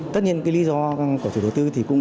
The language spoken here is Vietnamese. tất nhiên cái lý do của thủ đối tư thì cũng